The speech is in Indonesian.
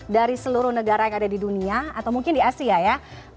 dari seluruh negara yang ada di dunia atau mungkin di asia ya